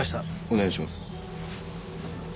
お願いします